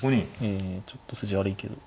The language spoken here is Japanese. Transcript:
ええちょっと筋悪いけど。